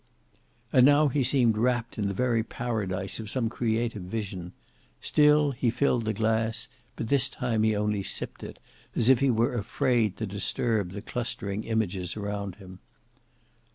And now he seemed wrapt in the very paradise of some creative vision; still he filled the glass, but this time he only sipped it, as if he were afraid to disturb the clustering images around him.